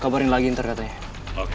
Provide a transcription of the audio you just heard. kabarin lagi ntar katanya